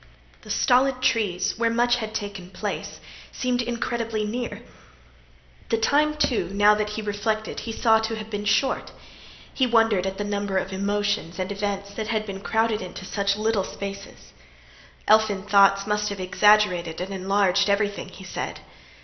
The stolid trees, where much had taken place, seemed incredibly near. The time, too, now that he reflected, he saw to have been short. He wondered at the number of emotions and events that had been crowded into such little spaces. Elfin thoughts must have exaggerated and enlarged everything, he said.